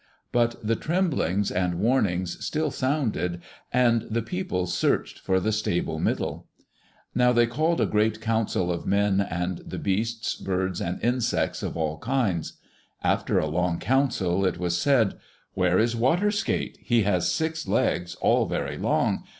But the tremblings and warnings still sounded, and the people searched for the stable Middle. Now they called a great council of men and the beasts, birds, and insects of all kinds. After a long council it was said, "Where is Water skate? He has six legs, all very long.